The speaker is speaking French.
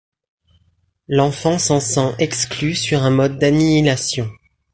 L'enfant s'en sent exclu sur un mode d'annihilation.